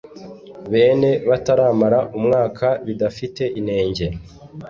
bane bataramara umwaka bidafite inenge